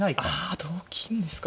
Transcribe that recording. あ同金ですか。